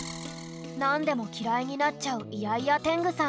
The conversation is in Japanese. なんでもきらいになっちゃうイヤイヤテングさん。